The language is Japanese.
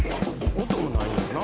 音もないねんな。